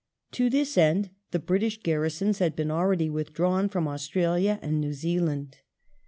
^ To this end the British garrisons had been already withdrawn from Australia and New Zealand.